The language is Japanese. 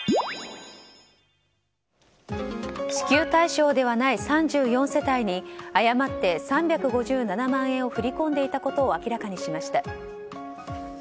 支給対象ではない３４世帯に誤って３５７万円を振り込んでいたことを明らかにしました。